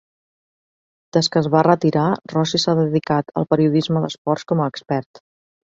Des que es va retirar, Rossi s'ha dedicat al periodisme d'esports com a expert.